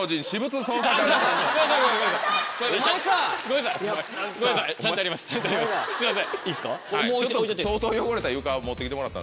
いいっすか？